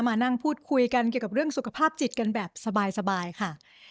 มานั่งพูดคุยกันเกี่ยวกับเรื่องสุขภาพจิตกันแบบสบายค่ะ